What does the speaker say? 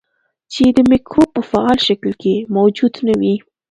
چې د مکروب په فعال شکل کې موجود نه وي.